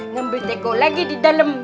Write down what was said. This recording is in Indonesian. ngebeteko lagi di dalem